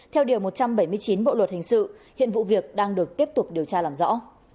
theo điều một trăm bảy mươi chín bộ luật hình sự hiện vụ việc đang được tiếp tục điều tra làm rõ